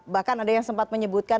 bahkan ada yang sempat menyebutkan